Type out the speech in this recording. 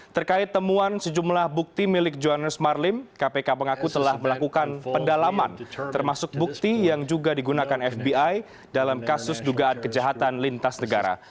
terkait temuan sejumlah bukti milik johannes marlim kpk mengaku telah melakukan pendalaman termasuk bukti yang juga digunakan fbi dalam kasus dugaan kejahatan lintas negara